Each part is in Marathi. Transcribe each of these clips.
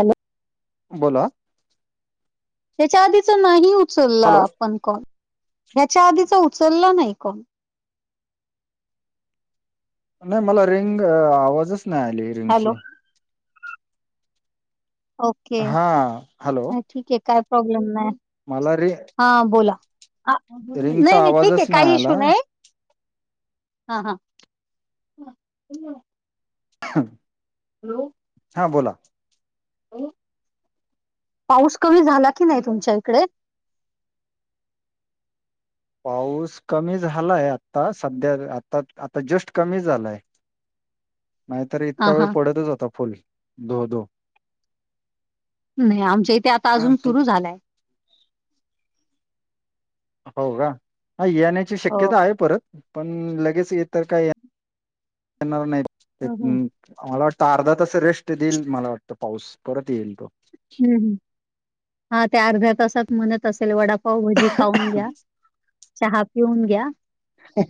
हॅलो बोला ह्याच्या आधीचा नाही उचलला हॅलो आपण कॉल ह्याच्या आधीचा उचलला नाही कॉल. नाही मला रिंग आवाजच नाही आली रिंगची हॅलो ओके हा हॅलो म ठीक आहे काय प्रॉब्लेम नाही. मला री हा बोला नाही नाही ठीक आहे आवाजच काही इशू आला नाही हा हा [inaudible] हॅलो हा बोला. हम्म, पाऊस झाला की नाही तुमच्या इकडे? पाऊस कमी झालाय आता सध्या, आता-आता जस्ट कमी झालाय. नाहीतर हा इतका वेळ हा पडतच होता. फुल धो-धो. नाही, आमच्या इथे आता अजून सुरू झालंय. हो का? येण्याची हो शक्यता आहे परत. पण लगेच हे तर काय, येणार नाहीत, हम्म. मला वाटतं अर्धा तसा रेस्ट देईल, मला वाटतं पाऊस, परत येईल तो. हम्म-हम्म, हा ते अर्ध्या तासात म्हणत असेल वडाप पावभाजी तो खाऊन घ्या. चहा पिऊन घ्या.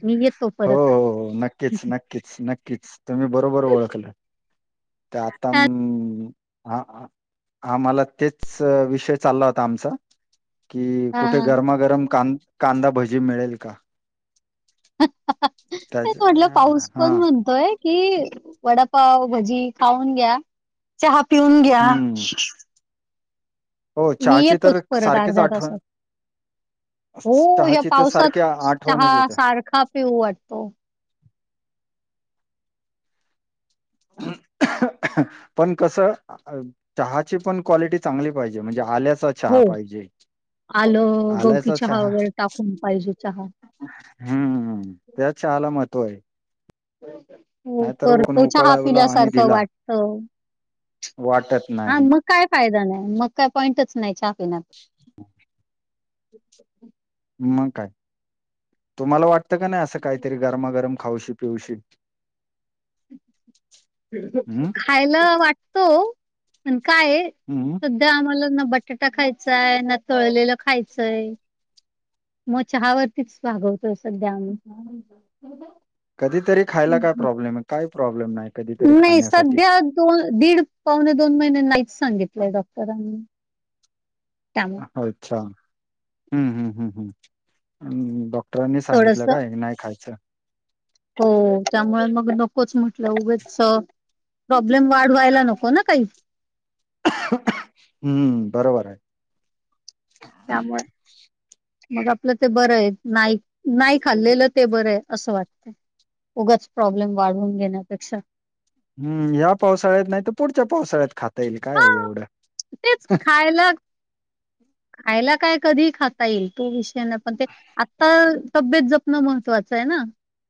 मी येतो परत हो-हो-हो, नक्कीच नक् नक्कीच-नक्कीच, तुम्ही बरोबर ओळखलं, तर आता हा, आम्हाला तेच विषय चालला होता आमचा कि हा कुठे हा गरमागरम कांदा भजी मिळेल का? त्याच हा. कि वडापाव भजी खाऊन घ्या. चहा पिऊन घ्या. हम्म हो मी चहाची तर येतोच परत सारखीच अर्ध्या आठवण तासात हो, या चहाची तर सारखी पावसात आ- आठवणच चहा येते सारखा पिऊ वाटतो. पण कस, चहाची पण क्वालटी चांगली पाहिजे, म्हणजे आल्याचा चहा हो पाहिजे. आलं, गवती चहा, वगैरे टाकून पाहिजे चहा. हम्म, त्या चहाला महत्व आहे. हो नाहीतर तर, ऊन तो चहा उकळवला आणि पिल्यासारखं दिला वाटतो. त, वाटत हा नाही मग काय फायदा नाही. मग काय पॉईंटच नाही चहा पिण्यात. [inaudible] मग काय, तुम्हाला वाटतं का नाही असं काहीतरी गरमागरम खाऊशी पिऊशी? हम्म खायला वाटतो. पण काय आहे. हम्म. सध्या आम्हाला, न बटाटा खायचाय, न तळलेलं खायचंय. मग चहा वरतीच भागवतो सध्या आम्ही. कधीतरी खायला काय प्रॉब्लेम आहे. काही प्रॉब्लेम नाही. कधीतरी नाही, खाण्यासाठी सध्या दोन, दीड, पावणे दोन महिने नाहीच सांगितलंय डॉक्टरांनी. त्यामुळे अच्छा, हम्म-हम्म-हम्म-हम्. डॉक्टरांनी थोडस सांगितलं काय, नाही खायचं? हो, त्यामुळे मग नकोच म्हटलं, उगाच प्रॉब्लेम वाढवायला नको ना काही. हम्म, बरोबर आहे. त्यामुळे मग आपलं ते बरं आहे. नाही, नाही खाल्लेलं ते बरं आहे असं वाटत. उगाच प्रॉब्लेम वाढवून घेण्यापेक्षा. हम्म, या पावसाळ्यात नाही तर, पुढच्या पावसाळ्यात खाता येईल, हा काय एवढं. तेच खायला, खायला काय कधी खाता येईल, तो विष पण ते, आता तब्येत जपणं महत्वाचं आहे ना.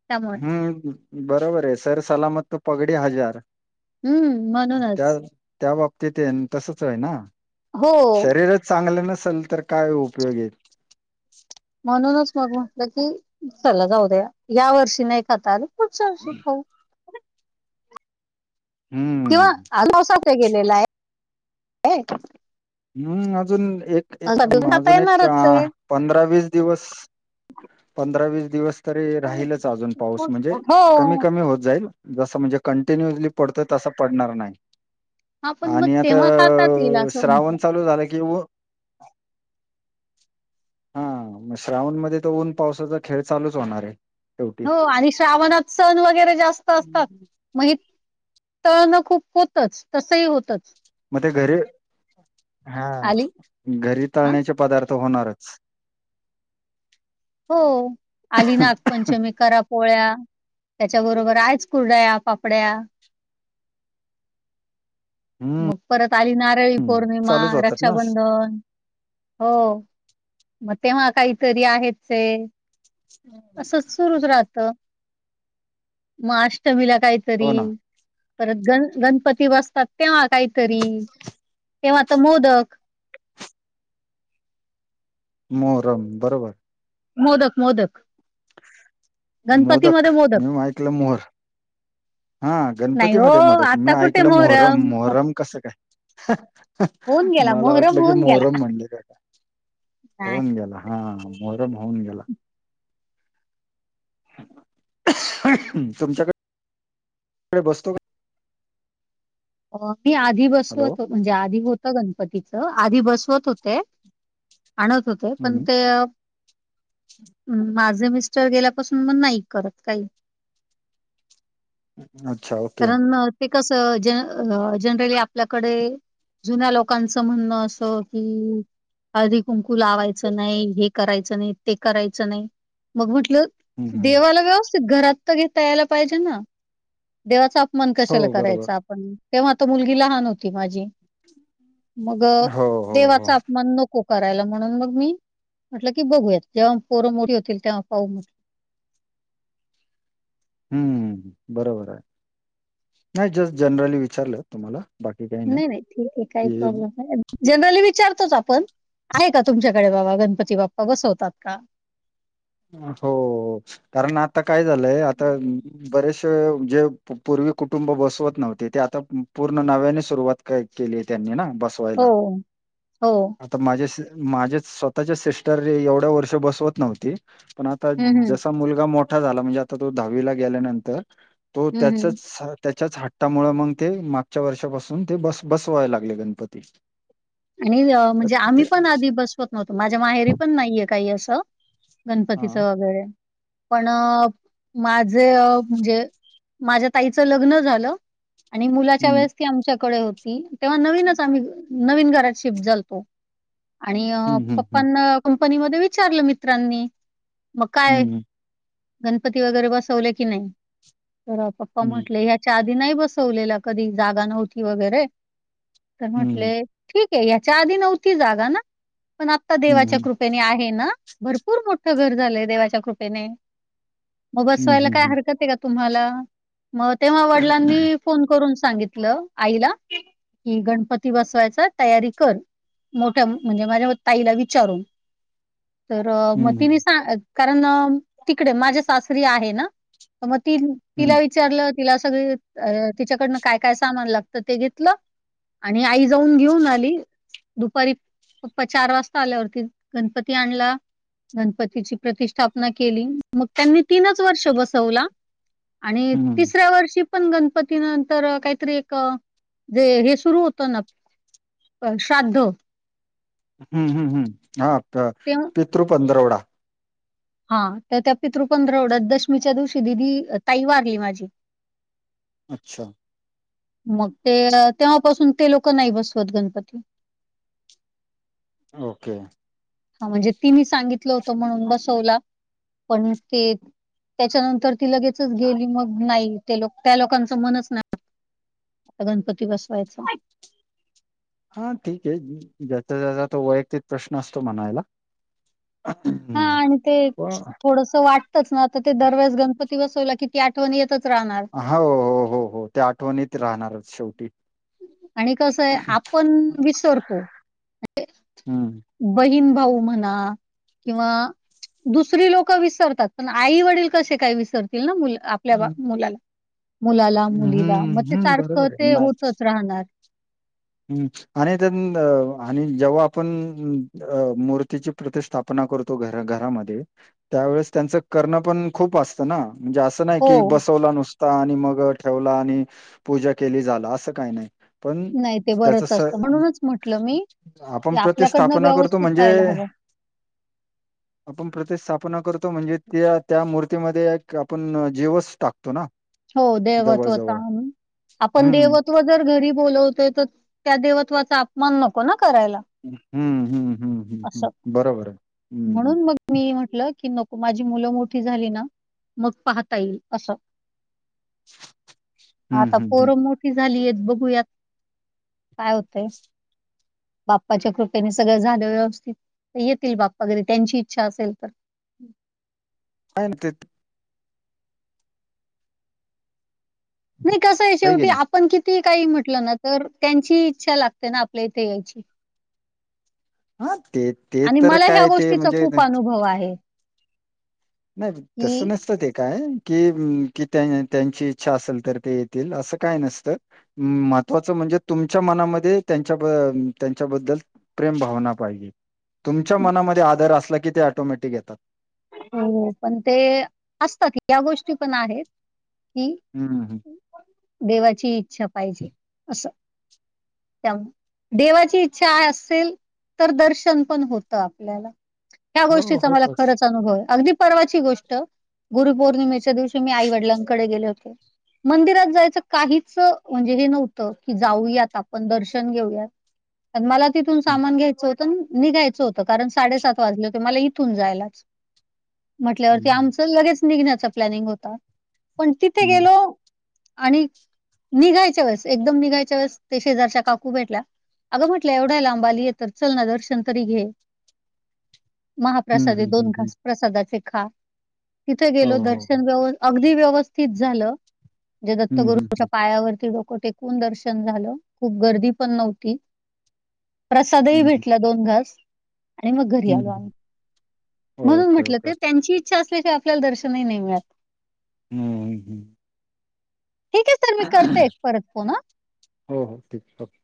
त्या हम्म, बरोबर आहे. सर सलामत तर पगडी हजार, हम्म त्या म्हणूनच त्या बाबतीत तसच आहे ना, हो शरीरात चांगलं नसेल तर काय उपयोग आहेत. म्हणूनच मग म्हटलं की चला जाऊ दे या वर्षी नाही खाता आलं पुढच्या वर्षी खाऊ. हम्म किंवा पावसाच गेलेला आहे [unintelligible] हम्म अजून एक खाता अजून एक अ येणारच आहे पंधरा वीस दिवस पंधरा वीस दिवस तरी राहीलच अजून पाऊस म्हणजे हो कमी कमी होत जाईल. जसं म्हणजे कंटिन्युअसली पडतोय तसं पडणार नाही. आपण मग आणि आता तेव्हा खातात येईल असं श्रावण म्हटलं चालू झालं कि हा मग श्रावण मध्ये तर ऊन पावसाचा खेळ चालूच होणार आहे. शेवटी. हो आणि श्रावणात सण वगैरे जास्त हं. असतात. मग हि तळणं खूप होतं तसही होतच. ते घरी हा आली घरी हा तळण्याचे पदार्थ होणारच. हो आली नागपंचमी करा पोळ्या. त्याच्या बरोबर आहेच कुरड्या पापड्या हं, मग परत आली नारळी पौर्णिमा चालूच होतात ना. रक्षाबंधन. हो मग तेव्हा आता ही करी आहेचे. असचं सुरुच राहत मग अष्टमिला काय तरी हो ना, परत गण गणपती बसतात तेव्हा काही तरी तेव्हा तर मोदक मोहरम बरोबर मोदक मोदक मोदक मी ऐकलं मोहर हा नाही हो गणपतीमध्ये मोदक मी आता कुठे ऐकलं मोहरम हो- मोहरम कसं काय? होऊन गेला मला मोहरम वाटलं की होऊन गेला. मोहरम म्हणटला की काय नाही होऊन गेला हा मोहरम होऊन गेला तुमच्याकडे बसतो का? मी आधी हॅलो बसवत हो म्हणजे आधी होतं गणपतीचं आधी बसवत होते. आणत होते पण ते हम्म माझे मिस्टर मिस्टर गेल्यापासून मग नाही करत काही. अच्छा ओके कारण ते कसं जन जनरली आपल्याकडे जुन्या लोकांच म्हणणं असं कि हळदी कुंकू लावायचं नाही हे करायचं नाही ते करायचं नाही मग म्हटलं हम्म हम्म देवाला व्यवस्थित घरात तर घेता यायला पाहिजे ना? देवाचा अपमान कशाला हो बरोबर करायचा आपण तेव्हा तर मुलगी लहान होती माझी मग हो हो हो देवाचा आप मग नको करायला म्हणून मग मी म्हटलं की बघूयात जेव्हा पोरं मोठी होतील तेव्हा पाऊ म्हटलं. हम्म बरोबर आहे नाही जस्ट जनरली विचारलं तुम्हाला? बाकी काही नाही नाही ठीक आहे काहीच की प्रॉब्लेम नाही जनरली विचारतोच आपण आहे का तुमच्याकडे बाबा गणपती बाप्पा बसवतात का? हो हो कारण आता काय झालंय आता बरेशे जे पूर्वी कुटुंब बसवत नव्हते ते आता पूर्ण नव्याने सुरुवात केली त्यांनी ना बस हो हो हो माझे माझे स्वतःचे सिस्टर एवढ्या वर्ष बसवत नव्हती. पण आता हम्म हम्म जसा मुलगा मोठा झाला म्हणजे आता तो दहावीला गेल्यानंतर तो हम्म हम्म. त्याचच ह त्याच्याच हट टा त्यामुळ मंग ते मागच्या वर्षापासून ते बस बसवायला लागले गणपती. आणि तर म्हणजे ते आम्ही पण आधी बसवत नव्हतो माझ्या माहेरी पण नाहीये काही अस. हा गणपतीचं वगैरे पण माझ म्हणजे माझ्या ताईच लग्न झालं आणि मुलाच्या हम्म वेळेस ती आमच्याकड हो ती तेव्हा नवीनच आम्ही नवीन घरात शिफ्ट झालतो. आणि हम्म हम्म पप्पांना कंपनीमध्ये विचारलं मित्रांनी. मग काय हम्म गणपती वगैरे बसवले की नाय? तर पप्पा म्हटले ह्या च्या आधी नाय बसवलेला कधी जागा नव्हती वगैरे, तर हम्म म्हटले ठीक ए याच्या आधी नव्हती जागा ना पण आत्ता हम्म देवाच्या हम्म कृ पेने आहे ना भरपूर मोठं घर झालंय देवाच्या कृपेने. मग हम्म हम्म हम्म बसवायला हम्म काय हरकत ए का तुम्हाला मग तेव्हा वडिलांनी फोन करून सांगितल आईला कि गणपती बसवायचाय तयारी कर मोठ्या म्हणजे माझ्या ताईला विचारून. तर हम्म तिने हम्म सां- कारण तिकडे माझ्या सासरी आहे ना मग ती हम्म तिला विचारलं सगळी तिच्याकडनं काय काय सामान लागतं ते घेतलं. आणि आई जाऊन घेऊन दुपारी पप्पा चार वाजता आल्यावरती गणपती आणला. गणपतीची प्रतिष्ठापना केली मग त्यांनी तीनच वर्ष बसवला. आणि हम्म, तिसऱ्या वर्षी पण गणपती नंतर कायतरी एक जे हे सुरू होत ना श्राद्ध. हम्म हम्म हम्म, हा का तेव्हा पितृ पंधरवडा. हा तर त्या पितृ पंधरवड्यात दशमीच्या दिवशी दिदी ताई वारली माझी. अच्छा. मग ते तेव्हा पासून ते लोक नाय बसवत गणपती. ओके. हा म्हणजे तिनी सांगितलं होतं म्हणून बसवला पण ते त्याच्यानंतर ती लगेचच गेली मग नाय ते लोक त्या लोकांचं मनच नाय गणपती बसवायचा. हा ठीक ए ज्याचा त्याचा तो वैयक्तिक प्रश्न असतो म्हणायला. हा हं. आणि ते पण थोडस वाटतंच ना आता ते दरवेळेस गणपती बसवला कि की आठवण येतच राहणार. हो, हो, हो, हो. त्या आठवणीत राहणारच शेवटी. आणि कस आय आपण विसरतो. हं, बहीण भाऊ म्हणा किंवा दुसरी लोकं विसरतात पण आई वडील कशे काय विसरतील ना मुल आपल्या हं, मुलाला. मुलाला, मुलीला हं, म ते हं. सारखं बरोबर ते होतच राहणार. हम्म, आणि त्या आणि जेव्हा आपण अ मूर्तीची प्रतिष्ठा स्थापना करतो घरा घरामध्ये त्यावेळेस त्यांचं करणं पण खूप असतं ना, म्हणजे असं अस नाय हो. की बसवला नुस आणि मग ठेवला आणि पूजा केली झाला असं काय नाय. पण नाय ते त्याचं बरंच स असत म्हणूनच म्हटलं मी कि आपण आपल्याकडनं प्रतिस्थापना करतो व्यवस्थित म्हणजे व्हायला हवं. [inaudible] आपण प्रतिस्थापना करतो म्हणजे, त्या त्या मूर्तीमध्ये एक आपण जीवस टाकतो ना. हो देवदत्त जवळ-जवळ. आहे आपण हं. देवत्वत जर घरी बोलवतो तर त्या देवत्वाचा अपमान नको ना करायला. हम्म हम्म हम्म हम्म असं. हम्म बरोबर आहे हम्म म्हणून मग मी म्हटलं की नको माझी मुलं मोठी झाली ना मग पाहता येईल असं [inaudible] आता हं. पोरं मोठी झालीय बघूयात काय होतंय. बाप्पाच्या कृपेने सगळं झालं व्यवस्थित येतील बाप्पा वगैरे त्यांची इच्छा असेल तर, यन ते [inaudible] नाही कस ये आहे की शेवटी नाही आ पण किती काही म्हटलं ना तर त्यांची इच्छा लागते ना आपल्या इथे यायची. हा ते ते आणि तर मला ह्या काय ते गोष्टीचा म्हणजे खूप अनुभव आहे. नाही तसं की नसतं ते काय, कि कि त्यां त्यांची इच्छा असेल तर ते येतील असं काय नसतं, महत्त्वाचं म्हणजे तुमच्या मनामध्ये त्यांच्या त्यांच्याबद्दल, प्रेम भावना पाहिजे तुमच्या मनामध्ये आदर असला की ते ऑटोमॅटिक येतात. हो पण ते असतात या गोष्टी पण आहेत कि, हम्म देवाची इच्छा पाहिजे असं त्यामुळे, देवाची इच्छा असेल तर दर्शन पण होतं आपल्याला. त्या हो हो, गोष्टीचं मला होतच खरच य अगदी परर्वाची गोष्ट गुरुपौर्णिमेच्या दिवशी मी आई वडिलांकडे गेले होते, मंदिरात जायचं काहीच म्हणजे हे नव्हतं की जाऊयात आपण दर्शन घेऊयात, पन मला तिथून सामान घ्यायचं होत. पण निघायचं होतं कारण साडेसात वाजले होते मला इथून जायलाच. म्हटल्यावरती हम्म हम्म आमचं लगेच निघण्याचा प्लॅनिंग होता पण तिथे हम्म गेलो, आणि निघायच्या वेळेस एकदम निघायच्या वेळेस ते शेजारच्या काकू भेटल्या, अगं म्हटलं एवढा लांबाली येतात चल ना दर्शन तरी घे. हम्म महाप्रसाद हम्म दोन हम्म. घास प्रसादाचे खा- तिथे हो गेलो हो हो. दर्शन व्यव अगदी व्यवस्थित झालं. म्हणजे हम्म दत्तगुरूंच्या हम्म पायावरती डोकं टेकून दर्शन झालं खूप गर्दी पण नव्हती. प्रसादही ही हम्म भेटला दोन घास आणि मग घरी हम्म आलो. हम्म. म्हणून ओके म्हटलं ओके ते त्यांची इच्छा असली की आपल्याला दर्शनही नाही मिळतं. हम्म ठीक आहे सर मी करते हम्म. परत फोन हा. हो हो ठीक आहे.